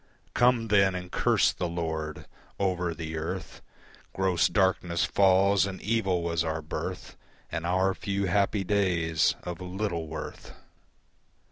Come then and curse the Lord. Over the earth Gross darkness falls, and evil was our birth And our few happy days of little worth.